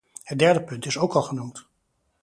Het derde punt is ook al genoemd.